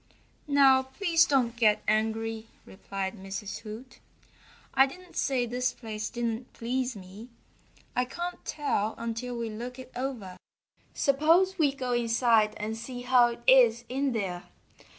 "Now please don't get angry," replied Mrs. Hoot. "I didn't say this place didn't please me. I can't tell until we look it over. Suppose we go inside and see how it is in there.